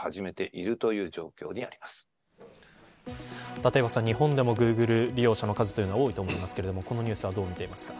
立岩さん、日本でもグーグル利用者の数は多いと思いますけれどもこのニュースはどうみていますか。